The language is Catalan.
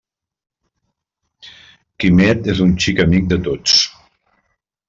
Quimet és un xic amic de tots.